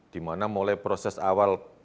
dimana mulai proses awal